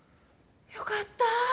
よかった。